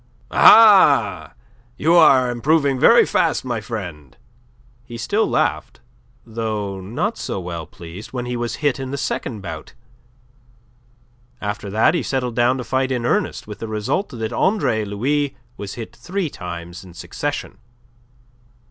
"Aha! You are improving very fast, my friend." He still laughed, though not so well pleased, when he was hit in the second bout. After that he settled down to fight in earnest with the result that Andre Louis was hit three times in succession.